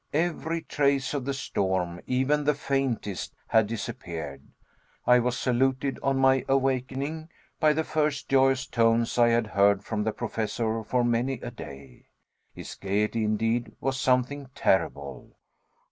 Every trace of the storm, even the faintest, had disappeared. I was saluted on my awakening by the first joyous tones I had heard from the Professor for many a day. His gaiety, indeed, was something terrible.